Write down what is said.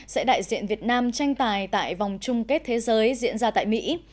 sẽ đại diện việt nam tranh tài tại vòng chung kết thế giới diễn ra tại mỹ